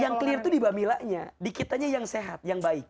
yang clear tuh di mbak milanya dikitannya yang sehat yang baik